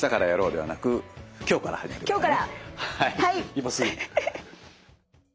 今すぐ。